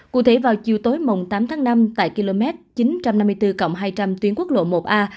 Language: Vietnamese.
cụ thể vào chiều tối mùng tám tháng năm tại km chín trăm năm mươi bốn hai trăm linh tuyến quốc lộ một a